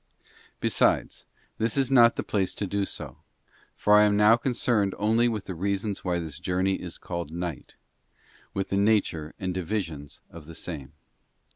Besides, this is not the place to do so, for Iam now concerned only with the reasons why this journey is called night, with the nature and di visions of the same.